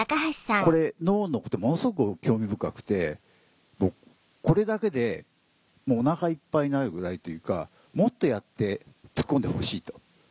これ脳のことものすごく興味深くて僕これだけでおなかいっぱいになるぐらいというかもっとやって突っ込んでほしいと。